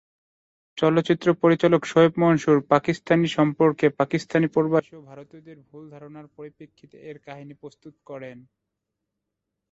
চলচ্চিত্রটির পরিচালক শোয়েব মনসুর পাকিস্তান সম্পর্কে পাকিস্তানি প্রবাসী ও ভারতীয়দের ভুল ধারণার পরিপ্রেক্ষিতে এর কাহিনী প্রস্তুত করেন।